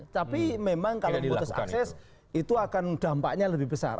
tapi memang kalau memutus akses itu akan dampaknya lebih besar